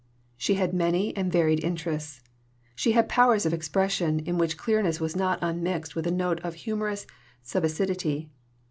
She had many and varied interests. She had powers of expression, in which clearness was not unmixed with a note of humorous subacidity.